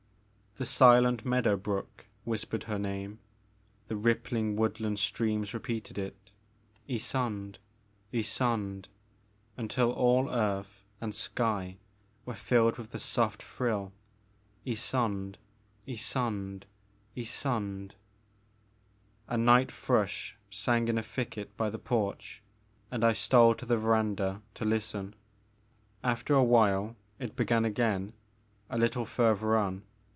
The silent meadow brook whispered her name, the rippling woodland streams repeated it, Ysonde, Ysonde, until all earth and sky were filled with the soft thrill, Ysonde, Ysonde, Ysonde. A night thrush sang in a thicket by the porch and I stole to the verandah to listen. After a while it began again, a little further on.